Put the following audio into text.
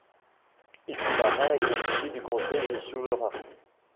Il fut marin et conseiller du Conseil souverain.